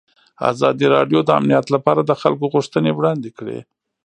ازادي راډیو د امنیت لپاره د خلکو غوښتنې وړاندې کړي.